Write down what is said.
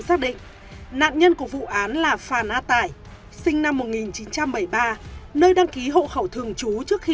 xác định nạn nhân của vụ án là phàn a tải sinh năm một nghìn chín trăm bảy mươi ba nơi đăng ký hộ khẩu thường trú trước khi